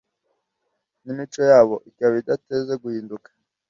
n'imico yabo ikaba idateze guhinduka